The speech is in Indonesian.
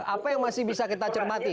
apa yang masih bisa kita cermati